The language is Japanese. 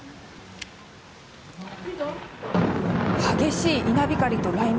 激しい稲光と雷鳴。